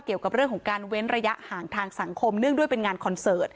เกี่ยวกับเรื่องของการเว้นระยะห่างทางสังคมเนื่องด้วยเป็นงานคอนเสิร์ต